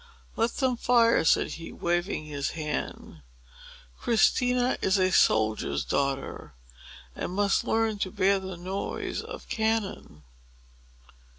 "Let them fire," said he, waving his hand. "Christina is a soldier's daughter, and must learn to bear the noise of cannon."